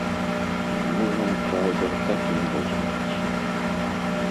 З мужам, праўда, так і не развялася.